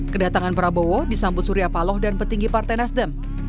kedatangan prabowo disambut surya paloh dan petinggi partai nasdem